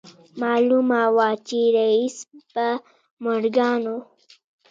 معلومه وه چې رييس به مورګان و.